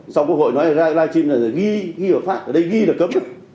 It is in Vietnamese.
xong quốc hội nói là livestream là ghi ghi là pháp ở đây ghi là cấm